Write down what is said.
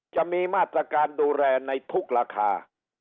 จะมีมาตรการดูแลในทุกราคา